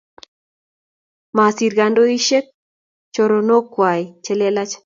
Masir kandoishek choronok kwai chelelach